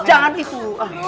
jangan ari dulu